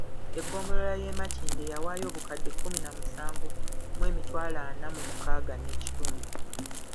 Eggombolola y’e Makindye yawaayo obukadde kkumi na musanvu mu emitwalo ana mu mukaaga n'ekitundu.